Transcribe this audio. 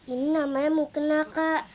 ini namanya mukena kak